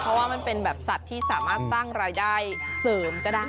เพราะว่ามันเป็นแบบสัตว์ที่สามารถสร้างรายได้เสริมก็ได้